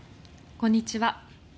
こんにちは。